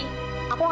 tante aku mau pergi